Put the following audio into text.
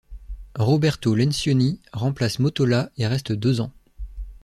Roberto Lencioni remplace Mottola et reste deux ans.